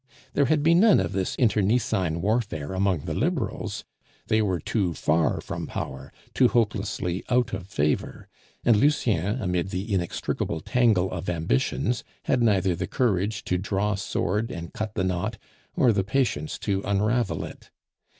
There had been none of this internecine warfare among the Liberals; they were too far from power, too hopelessly out of favor; and Lucien, amid the inextricable tangle of ambitions, had neither the courage to draw sword and cut the knot, or the patience to unravel it.